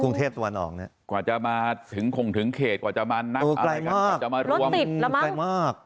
กรุงเทพตะวันออกเนี่ยกว่าจะมาถึงคงถึงเขตกว่าจะมาเออไกลมากจะมารวมอืมไกลมาก